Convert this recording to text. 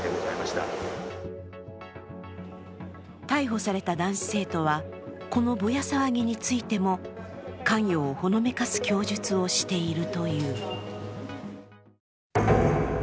逮捕された男子生徒はこのぼや騒ぎについても関与をほのめかす供述をしているという。